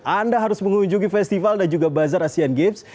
anda harus mengunjungi festival dan juga bazar asian games